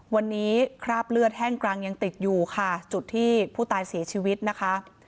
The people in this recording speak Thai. วันนี้คราบเลือดแห้งกรังยังติดอยู่ค่ะจุดที่ผู้ตายเสียชีวิตนะคะ